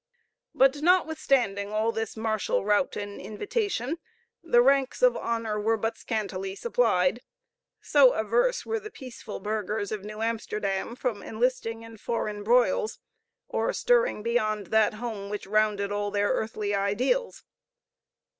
But, not withstanding all this martial rout and invitation, the ranks of honor were but scantily supplied, so averse were the peaceful burghers of New Amsterdam from enlisting in foreign broils, or stirring beyond that home which rounded all their earthly ideas.